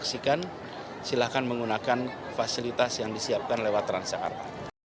silahkan menggunakan fasilitas yang disiapkan lewat transjakarta